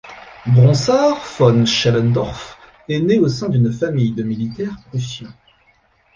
Bronsart von Schellendorff est né au sein d'une famille de militaires prussiens.